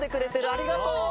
ありがとう。